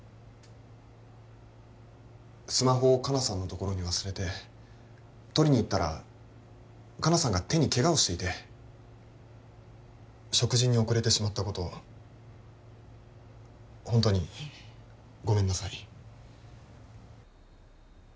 スマホを香菜さんのところに忘れて取りに行ったら香菜さんが手にケガをしていて食事に遅れてしまったことホントにごめんなさい